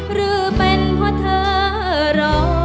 หรือเป็นเพราะเธอรอ